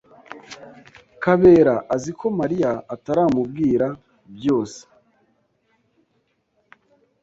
Kabera azi ko Mariya ataramubwira byose.